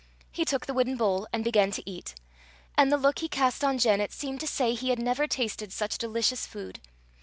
He took the wooden bowl, and began to eat; and the look he cast on Janet seemed to say he had never tasted such delicious food.